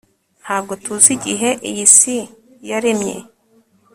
Ntabwo tuzi igihe iyi si yaremye